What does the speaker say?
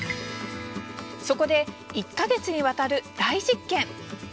そこで、１か月にわたる大実験！